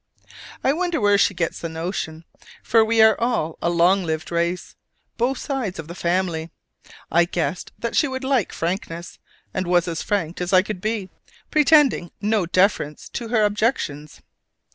I wonder where she gets the notion: for we are a long lived race, both sides of the family. I guessed that she would like frankness, and was as frank as I could be, pretending no deference to her objections.